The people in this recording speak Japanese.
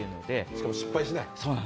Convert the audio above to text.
しかも失敗しない？